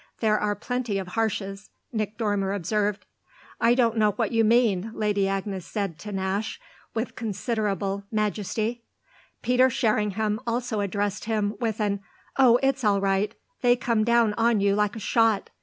There are plenty of Harshes," Nick Dormer observed. "I don't know what you mean," Lady Agnes said to Nash with considerable majesty. Peter Sherringham also addressed him with an "Oh it's all right; they come down on you like a shot!"